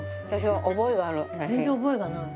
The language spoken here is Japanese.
私は覚えがある。